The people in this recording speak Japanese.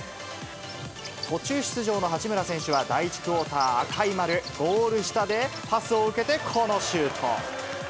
途中出場の八村選手は、第１クオーター、赤い丸、ゴール下でパスを受けて、このシュート。